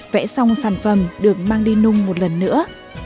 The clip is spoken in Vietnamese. vẽ xong sản phẩm được mang đi nung một lần nữa